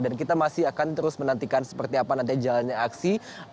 dan kita masih akan terus menantikan seperti apa nanti jalannya aksi